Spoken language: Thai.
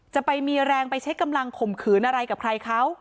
จะไปมีแรงไปใช้กำลังข่มขืนอะไรกับใครเขา